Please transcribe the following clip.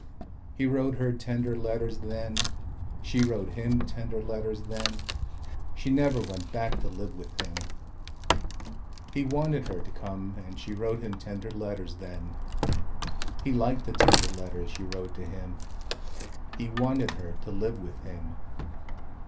He wrote her tender letters then, she wrote him tender letters then, she never went back to live with him. He wanted her to come and she wrote him tender letters then. He liked the tender letters she wrote to him. He wanted her to live with him.